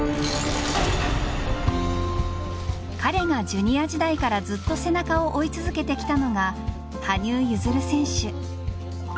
彼が、ジュニア時代からずっと背中を追い続けてきたのが羽生結弦選手。